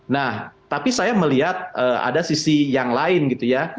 nah tapi saya melihat ada sisi yang lain gitu ya